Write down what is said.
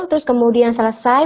terus kemudian selesai